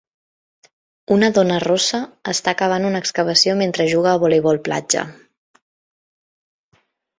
Una dona rossa està acabant una excavació mentre juga a voleibol platja.